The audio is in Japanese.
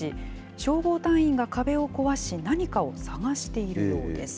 消防隊員が壁を壊し、何かを捜しているようです。